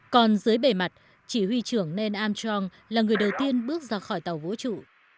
còn dưới bề mặt chỉ huy trưởng neil armstrong là người đầu tiên bước ra khỏi tàu vũ trụ